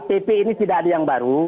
pp ini tidak ada yang baru